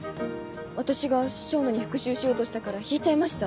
私が笙野に復讐しようとしたから引いちゃいました？